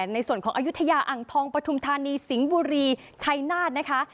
ในส่วนของอายุทยาอ่างทองปฐุมธานีสิงห์บุรีชัยนาธนะคะ